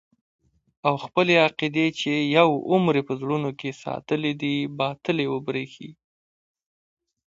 او خپلې عقيدې چې يو عمر يې په زړونو کښې ساتلې دي باطلې وبريښي.